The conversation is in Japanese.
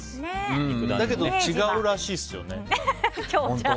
だけど違うらしいですよね。